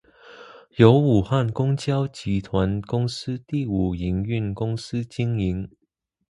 由武汉公交集团公司第五营运公司经营。